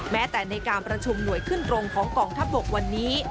แม้แต่ในการประชุมหน่วยขึ้นตรงของกองทัพบกวันนี้